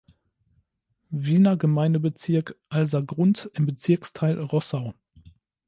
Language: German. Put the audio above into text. Wiener Gemeindebezirk Alsergrund im Bezirksteil Rossau.